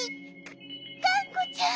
がんこちゃん。